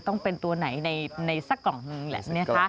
ต้องเป็นตัวไหนในสักกล่องนึงแหละใช่ไหมคะ